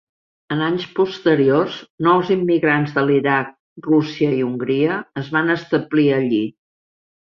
En anys posteriors, nous immigrants de l'Iraq, Rússia i Hongria es van establir allí.